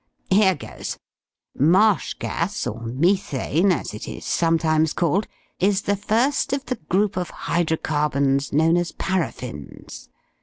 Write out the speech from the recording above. Here goes: marsh gas, or methane as it is sometimes called, is the first of the group of hydrocarbons known as paraffins.